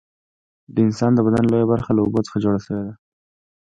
د انسان د بدن لویه برخه له اوبو څخه جوړه شوې ده